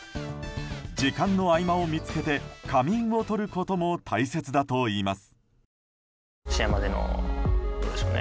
時間の合間を見つけて仮眠をとることも大切だといいます。